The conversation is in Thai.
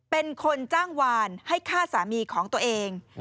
เป็นคนจ้างวานให้ฆ่าสามีของตัวเอง